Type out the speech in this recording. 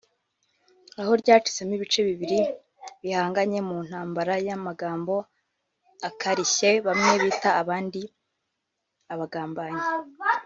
aho ryacitsemo ibice bibiri bihanganye mu ntambara y’amagambo akarishye bamwe bita abandi ‘abagambanyi’